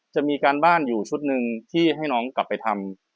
จะมีการบ้านอยู่ชุดหนึ่งที่ให้น้องกลับไปทำ